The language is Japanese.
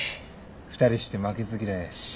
２人して負けず嫌いやし。